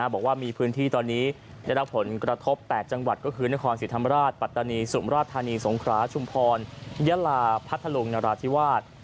บอกว่ามีพื้นที่ตอนนี้ได้รับผลกระทบ๘จังหวัดก็คือนครศรีธรรมราชปัตตานีสุมราชธานีสงคราชุมพรยะลาพัทธลุงนราธิวาส